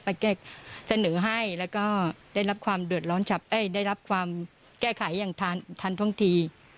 ไปเสนอให้แล้วก็ได้รับความแก้ไขอย่างทันท่องที